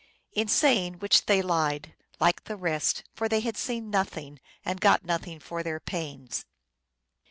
In saying which, they lied, like the rest, for they had seen nothing, and got nothing for their pains.